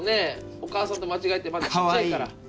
お母さんと間違えてまだちっちゃいから。